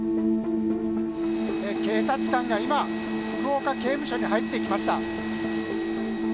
警察官が今、福岡刑務所に入っていきました。